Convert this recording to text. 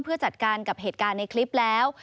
เพื่อจัดการกับเหตุการณ์ในคลิปแล้ว